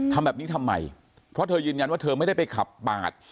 ทำแบบนี้ทำไมเพราะเธอยืนยันว่าเธอไม่ได้ไปขับปาด